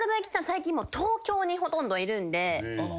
最近もう東京にほとんどいるんで。